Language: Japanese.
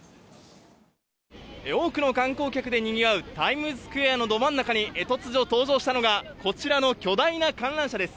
多くの観光客でにぎわうタイムズスクエアのど真ん中に突如、登場したのがこちらの巨大な観覧車です。